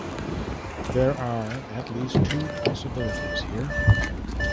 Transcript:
There are at least two possibilities here.